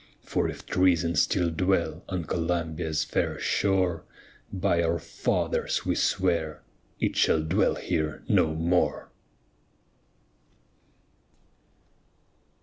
Chorus For if treason still dwell on Columbia's fair shore, By our fathers we swear it shall dwell here no more.